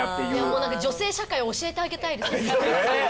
もう何か女性社会を教えてあげたいですえっ！